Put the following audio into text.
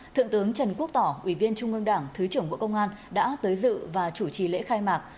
thượng tướng trần quốc tỏ ủy viên trung ương đảng thứ trưởng bộ công an đã tới dự và chủ trì lễ khai mạc